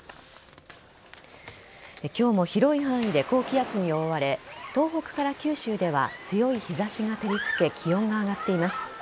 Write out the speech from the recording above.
今日も広い範囲で高気圧に覆われ東北から九州では強い日差しが照りつけ気温が上がっています。